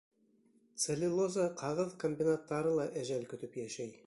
Целлюлоза-ҡағыҙ комбинаттары ла әжәл көтөп йәшәй.